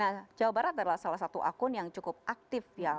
nah jawa barat adalah salah satu akun yang cukup aktif ya